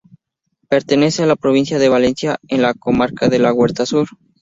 Pertenece a la provincia de Valencia, en la comarca de la Huerta Sur.